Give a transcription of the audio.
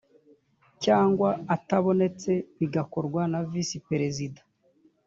cyangwa atabonetse bigakorwa na visi perezida